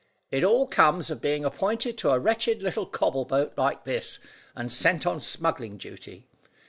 "It all comes of being appointed to a wretched, little cobble boat like this, and sent on smuggling duty.